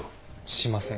しません。